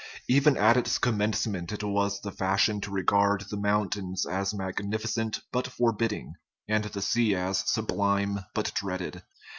Even at its commencement it was the fashion to regard the mountains as magnificent but forbidding, and the sea as sublime but dreaded.